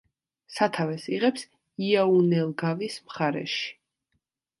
სათავეს იღებს იაუნელგავის მხარეში.